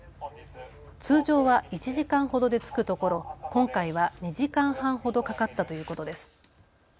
通常は１時間ほどで着くところ今回は２時間半ほどかかったということです。